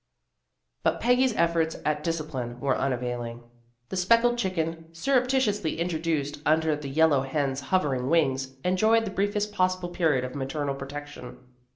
But Peggy's efforts at discipline were unavailing. The speckled chicken surreptitiously introduced under the yellow hen's hovering wings, enjoyed the briefest possible period of maternal protection.